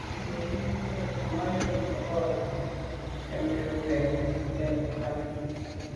Yomi bo Kemaju’ na’ lo mà nkebnjù nke nèn ntàne.